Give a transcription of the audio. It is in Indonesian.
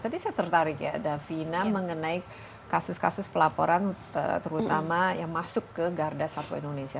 tadi saya tertarik ya davina mengenai kasus kasus pelaporan terutama yang masuk ke garda satwa indonesia